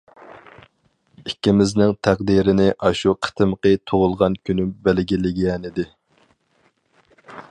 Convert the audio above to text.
ئىككىمىزنىڭ تەقدىرىنى ئاشۇ قېتىمقى تۇغۇلغان كۈنۈم بەلگىلىگەنىدى.